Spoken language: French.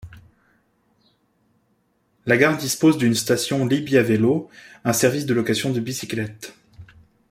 La gare dispose d’une station Li Bia Vélo, un service de location de bicyclettes.